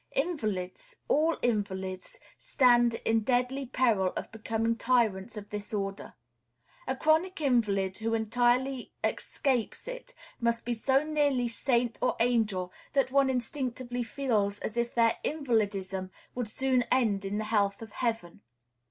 Invalids, all invalids, stand in deadly peril of becoming tyrants of this order. A chronic invalid who entirely escapes it must be so nearly saint or angel that one instinctively feels as if their invalidism would soon end in the health of heaven.